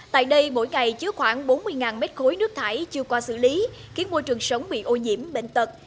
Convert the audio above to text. tại đây mỗi ngày chứa khoảng bốn mươi mét khối nước thải chưa qua xử lý khiến môi trường sống bị ô nhiễm bệnh tật